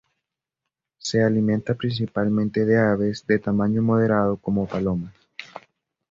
Se alimenta principalmente de aves de tamaño moderado, como palomas.